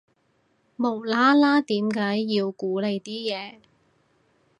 無啦啦點解要估你啲嘢